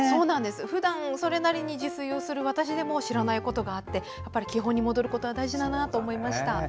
ふだんそれなりに自炊をする私でも知らないことがあって基本に戻ることは大事だなと思いました。